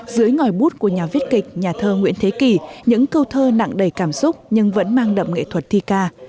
dưới ngòi bút của nhà viết kịch nhà thơ nguyễn thế kỳ những câu thơ nặng đầy cảm xúc nhưng vẫn mang đậm nghệ thuật thi ca